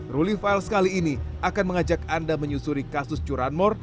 ruli files kali ini akan mengajak anda menyusuri kasus curanmor